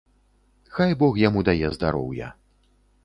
Хай бог яму дае здароўя.